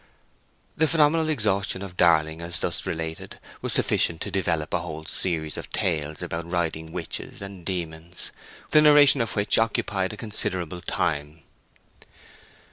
The phenomenal exhaustion of Darling, as thus related, was sufficient to develop a whole series of tales about riding witches and demons, the narration of which occupied a considerable time.